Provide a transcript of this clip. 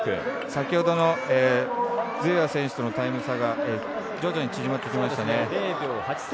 先ほどのズエワ選手とのタイム差が０．８３になってきました。